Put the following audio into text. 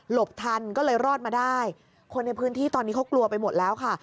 ทันก็เลยรอดมาได้คนในพื้นที่ตอนนี้เขากลัวไปหมดแล้วค่ะ